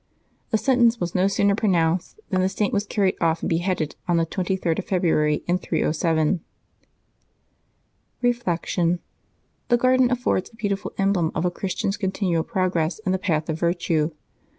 The sentence was no sooner pronounced than the Saint was carried off and beheaded, on the 33d of February, in 307. Reflection. — The garden affords a beautiful emblem of a Christian's continual progress in the path of virtue.